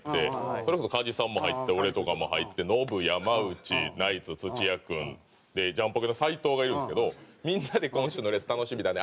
それこそ加地さんも入って俺とかも入ってノブ山内ナイツ土屋君ジャンポケの斉藤がいるんですけどみんなで「今週のレース楽しみだね」